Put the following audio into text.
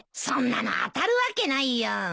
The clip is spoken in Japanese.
そんなの当たるわけないよ。